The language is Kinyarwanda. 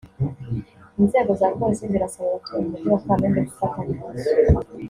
Inzego za polisi zirasaba abatuye mu mujyi wa Kamembe gufatanya nazo